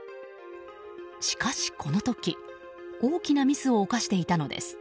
しかし、この時大きなミスを犯していたのです。